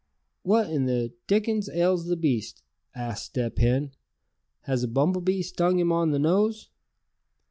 "What in the dickens ails the beast?" asked Step Hen. "Has a bumble bee stung him on the nose?"